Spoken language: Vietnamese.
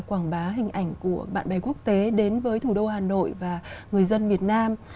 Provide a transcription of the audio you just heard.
quảng bá hình ảnh của bạn bè quốc tế đến với thủ đô hà nội và người dân việt nam